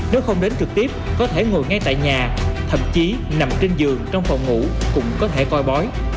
nếu không đến trực tiếp có thể ngồi ngay tại nhà thậm chí nằm trên giường trong phòng ngủ cũng có thể coi bói